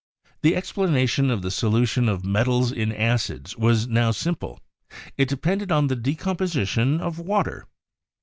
The explanation of the solution of metals in acids was now simple : it depended on the decomposition of water.